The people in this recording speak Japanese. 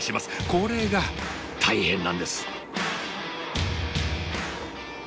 これが大変なんです！